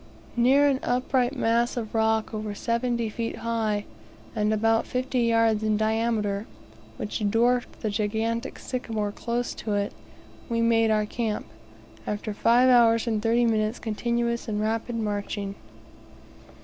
Near an upright mass of rock over seventy feet high, and about fifty yards in diameter, which dwarfed the gigantic sycamore close to it, we made our camp, after five hours and thirty minutes' continuous and rapid marching.